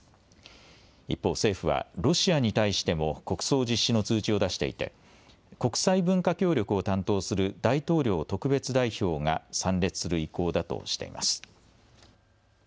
一方、政府はロシアに対しても国葬実施の通知を出していて国際文化協力を担当する大統領特別代表が参列する意向だとしています。